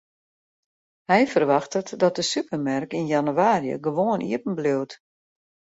Hy ferwachtet dat de supermerk yn jannewaarje gewoan iepenbliuwt.